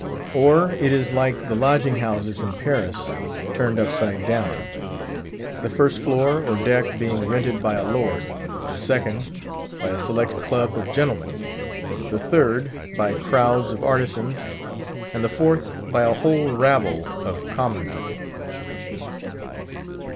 Or it is like the lodging houses in Paris, turned upside down; the first floor, or deck, being rented by a lord; the second, by a select club of gentlemen; the third, by crowds of artisans; and the fourth, by a whole rabble of common people.